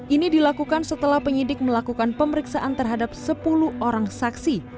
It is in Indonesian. ini dilakukan setelah penyidik melakukan pemeriksaan terhadap sepuluh orang saksi